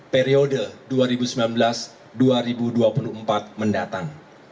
periode dua ribu sembilan belas dua ribu dua puluh empat mendatang